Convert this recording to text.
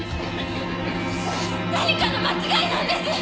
何かの間違いなんです！